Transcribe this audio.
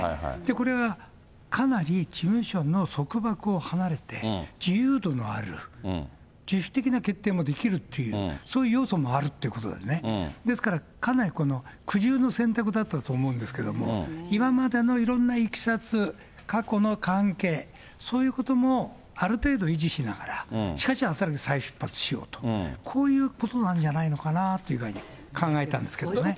これは、かなり事務所の束縛を離れて、自由度のある自主的な決定もできるという、そういう要素もあるということでね、ですから、かなり苦渋の選択だったと思うんですけども、今までのいろんないきさつ、過去の関係、そういうこともある程度維持しながら、しかし、再出発しようと、こういうことなんじゃないのかなっていう具合に考えたんですけどね。